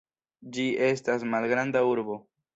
Ĝi estas malgranda urbo.